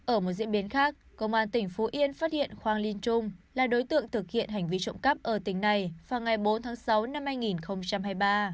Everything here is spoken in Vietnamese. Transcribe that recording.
ở một diễn biến khác công an tỉnh phú yên phát hiện khoang linh trung là đối tượng thực hiện hành vi trộm cắp ở tỉnh này vào ngày bốn tháng sáu năm hai nghìn hai mươi ba